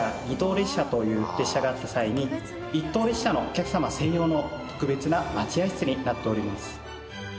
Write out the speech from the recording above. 列車という列車があった際に一等列車のお客様専用の特別な待合室になっております。